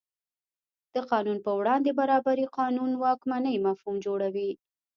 د قانون په وړاندې برابري قانون واکمنۍ مفهوم جوړوي.